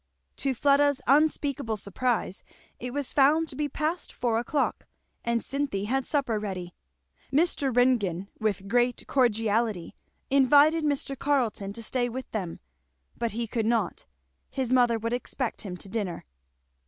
To Fleda's unspeakable surprise it was found to be past four o'clock, and Cynthy had supper ready. Mr. Ringgan with great cordiality invited Mr. Carleton to stay with them, but he could not; his mother would expect him to dinner.